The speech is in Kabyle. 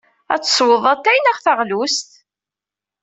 Ad teswed atay neɣ taɣlust?